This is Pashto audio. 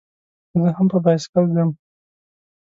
زه هم په بایسکل ځم.